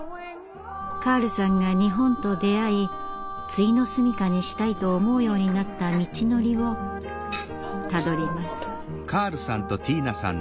カールさんが日本と出会いついの住みかにしたいと思うようになった道のりをたどります。